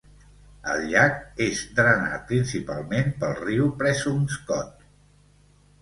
El llac és drenat principalment pel riu Presumpscot.